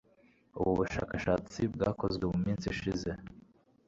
Ubu bushakashatsi bwakozwe mu minsi ishize